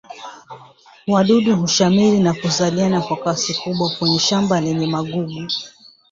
wadudu hushamiri na kuzaliana kwa kasi kubwa kwenye shamba lenye magugu